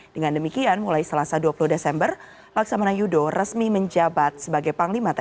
dengan demikian mulai selasa dua puluh desember laksamana yudo resmi menjabat sebagai panglima tni